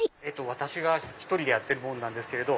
私が１人でやってるんですけど。